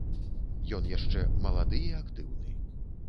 Ён яшчэ малады і актыўны.